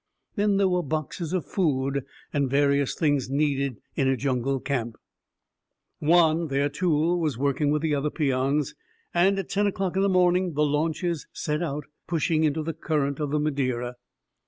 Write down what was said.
Then there were boxes of food and various things needed in a jungle camp. Juan, their tool, was working with the other peons, and at ten o'clock in the morning the launches set out, pushing into the current of the Madeira.